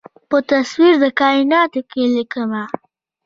په تصویر د کائیناتو کې ليکمه